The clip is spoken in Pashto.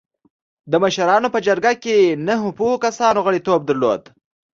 د مشرانو په جرګه کې نهه پوهو کسانو غړیتوب درلوده.